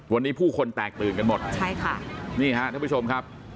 วันนี้ผู้คนแตกตื่นกันหมดใช่ค่ะนี่ฮะท่านผู้ชมครับ